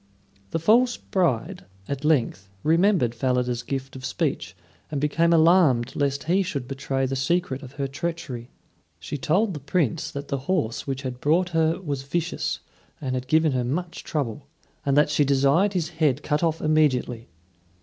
The false bride at length remembered Falada's gift of speech and became alarmed lest he should betray the secret of her treachery. She told the Prince that the horse which had brought her was vicious and had given her much trouble, and that she desired his head cut off immediately.